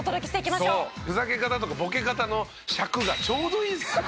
ふざけ方とかボケ方の尺がちょうどいいんです。